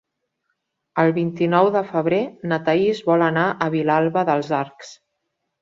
El vint-i-nou de febrer na Thaís vol anar a Vilalba dels Arcs.